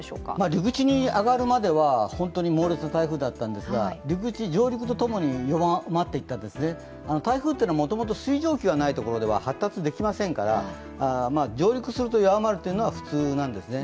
陸地に上がるまでは猛烈な台風だったんですが上陸とともに、弱まっていて台風というのはもともと水蒸気がない所では発達できませんから上陸すると弱まるというのは普通なんですね。